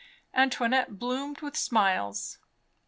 Antoinette bloomed with smiles.